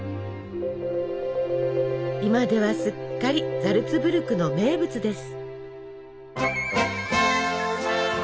今ではすっかりザルツブルクの名物です。